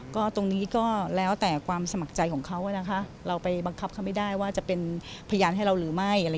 ก็ตรงนี้ก็แล้วแต่ความสมัครใจของเขานะคะเราไปบังคับเขาไม่ได้ว่าจะเป็นพยานให้เราหรือไม่